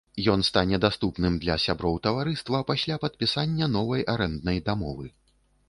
Ён стане даступным для сяброў таварыства пасля падпісання новай арэнднай дамовы.